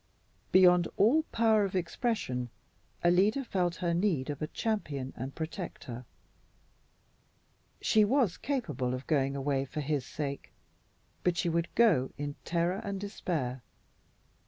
Beyond all power of expression, Alida felt her need of a champion and protector. She was capable of going away for his sake, but she would go in terror and despair.